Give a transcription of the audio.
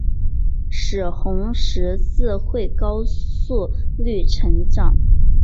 使红十字会高速率成长。